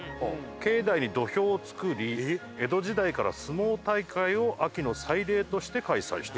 境内に土俵を作り江戸時代から相撲大会を秋の祭礼として開催していた。